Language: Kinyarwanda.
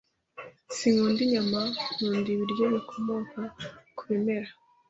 Sinkunda inyama. Nkunda ibiryo bikomoka ku bimera.